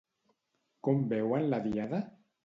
Com veuen la Diada?